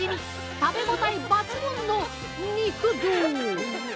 食べ応え抜群の肉道。